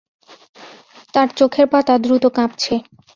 তার চোখের পাতা দ্রুত কাঁপছে।